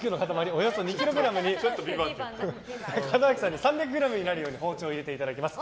およそ２ｋｇに門脇さんに３００ｇになるよう包丁を入れていただきます。